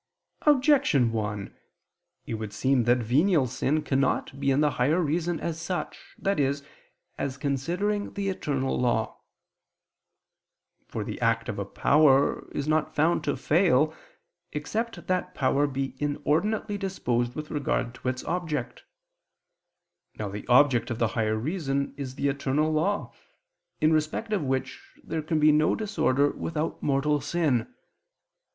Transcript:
Objection 1: It would seem that venial sin cannot be in the higher reason as such, i.e. as considering the eternal law. For the act of a power is not found to fail except that power be inordinately disposed with regard to its object. Now the object of the higher reason is the eternal law, in respect of which there can be no disorder without mortal sin.